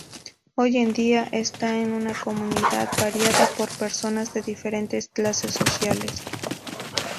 Hoy en día esta es una comunidad variada por personas de diferentes clases sociales.